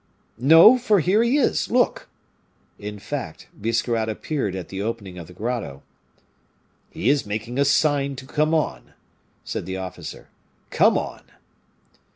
"No, for here he is look." In fact, Biscarrat appeared at the opening of the grotto. "He is making a sign to come on," said the officer. "Come on!"